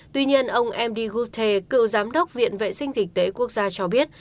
tuy nhiên ông md gute cựu giám đốc viện vệ sinh dịch tễ quốc gia cho biết